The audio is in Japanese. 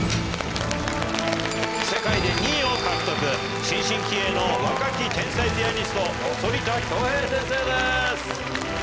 世界で２位を獲得新進気鋭の若き天才ピアニスト反田恭平先生です。